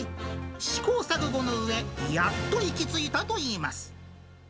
試行錯誤のうえ、やっと行きついたといいます。